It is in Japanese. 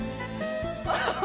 アハハハ！